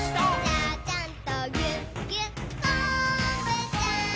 「ちゃちゃんとぎゅっぎゅっこんぶちゃん」